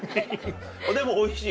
でもおいしい。